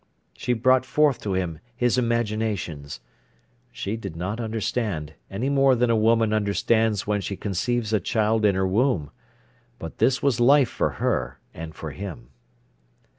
She brought forth to him his imaginations. She did not understand, any more than a woman understands when she conceives a child in her womb. But this was life for her and for him.